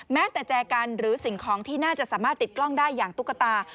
แม้แต่แจกันหรือสิ่งของที่น่าจะสามารถติดกล้องได้อย่างตุ๊กตา